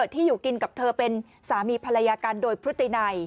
ที่อยู่กินกับเธอเป็นสามีภรรยากันโดยพฤตินัย